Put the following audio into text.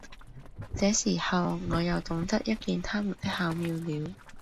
這時候，我又懂得一件他們的巧妙了。